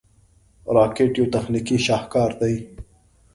راکټ یو تخنیکي شاهکار دی